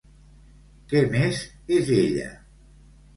Què més és ella?